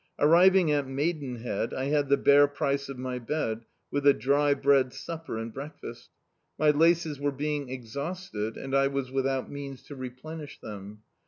Arriving at Maidenhead, I bad the bare price of my bed, with a dry bread supper and breakfast. My laces were being exhausted, and I was without means to replenish them.